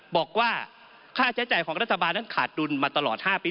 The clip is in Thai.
บอกว่าค่าใช้จ่ายของรัฐบาลนั้นขาดดุลมาตลอด๕ปี